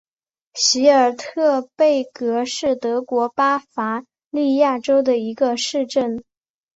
席尔特贝格是德国巴伐利亚州的一个市镇。